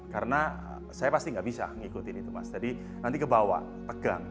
karena saya pasti nggak bisa mengikuti itu mas jadi nanti ke bawah pegang